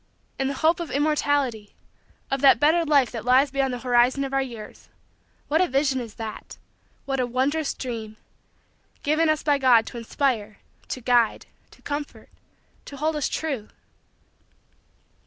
And the hope of immortality of that better life that lies beyond the horizon of our years what a vision is that what a wondrous dream given us by God to inspire, to guide, to comfort, to hold us true!